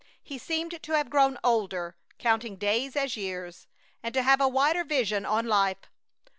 He seemed to have grown older, counting days as years, and to have a wider vision on life.